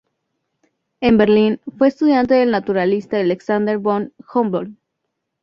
En Berlín, fue estudiante del naturalista Alexander von Humboldt.